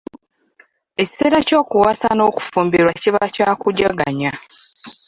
Ekiseera ky'okuwasa n'okufumbirwa kiba kyakujaganya.